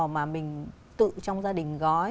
mà mình tự trong gia đình gói